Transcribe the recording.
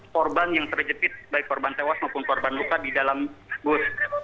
korban yang terjepit baik korban tewas maupun korban luka di dalam bus